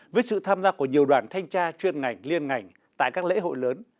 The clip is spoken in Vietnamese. với sự tham gia của nhiều đoàn thanh tra chuyên ngành liên ngành tại các lễ hội lớn